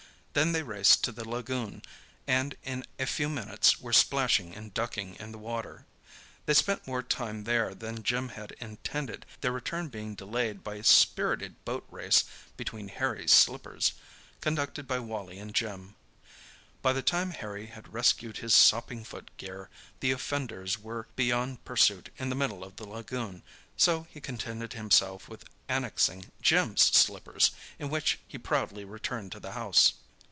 Then they raced to the lagoon, and in a few minutes were splashing and ducking in the water. They spent more time there than Jim had intended, their return being delayed by a spirited boat race between Harry's slippers, conducted by Wally and Jim. By the time Harry had rescued his sopping footgear, the offenders were beyond pursuit in the middle of the lagoon, so he contented himself with annexing Jim's slippers, in which he proudly returned to the house.